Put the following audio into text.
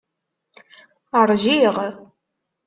Ṛjiɣ.